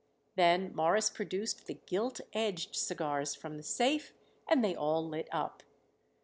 Then Morris produced the "gilt edged" cigars from the safe, and they all lit up.